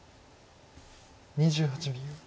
２８秒。